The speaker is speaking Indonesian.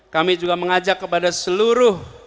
kami juga mengajak kepada seluruh